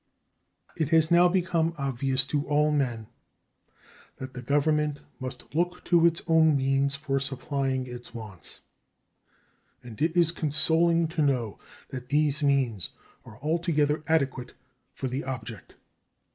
It has now become obvious to all men that the Government must look to its own means for supplying its wants, and it is consoling to know that these means are altogether adequate for the object.